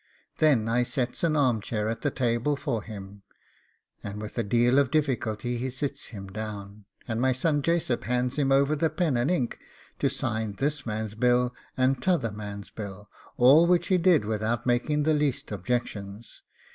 Then I sets an arm chair at the table for him, and with a deal of difficulty he sits him down, and my son Jason hands him over the pen and ink to sign to this man's bill and t'other man's bill, all which he did without making the least objections.